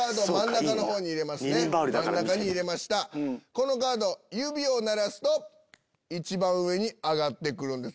このカード指を鳴らすと一番上に上がってくるんです。